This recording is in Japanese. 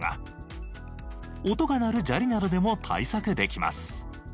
音が鳴る砂利などでも対策できます。